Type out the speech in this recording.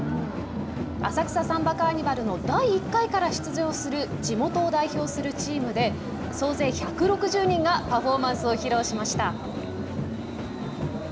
浅草サンバカーニバルの第１回から出場する地元を代表するチームで総勢１６０人がパフォーマンスを披露しました。